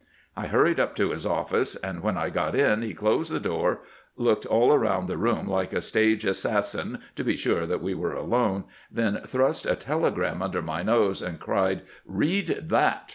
I hurried up to his office, and when I got in he closed the door, looked all around the room Kke a stage assassin to be sure that we were alone, then thrust a telegram under my nose, and cried, ' Read that